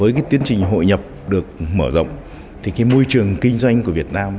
với tiến trình hội nhập được mở rộng thì môi trường kinh doanh của việt nam